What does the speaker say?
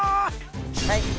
はい。